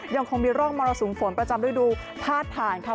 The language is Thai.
ยังคงมีร่องมรสุมฝนประจำฤดูพาดผ่านค่ะ